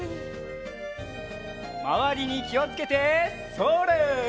まわりにきをつけてそれ！